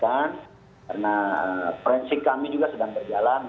karena prinsip kami juga sedang berjalan